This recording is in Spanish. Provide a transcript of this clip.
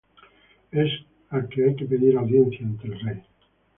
Es al que hay que pedir audiencia ante el rey.